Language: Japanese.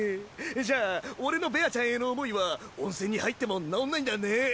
じゃあ俺のベアちゃんへの思いは温泉に入っても治んないんだね。